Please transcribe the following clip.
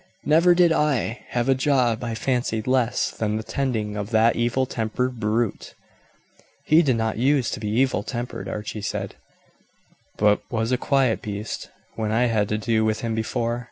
"Never did I have a job I fancied less than the tending of that evil tempered brute." "He did not use to be evil tempered," Archie said; "but was a quiet beast when I had to do with him before.